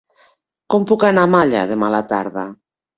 Com puc anar a Malla demà a la tarda?